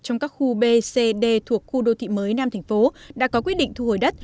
trong các khu b c d thuộc khu đô thị mới nam tp hcm đã có quyết định thu hồi đất